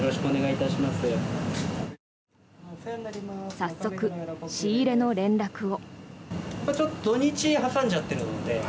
早速、仕入れの連絡を。